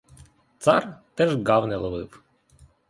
Цар теж ґав не ловив.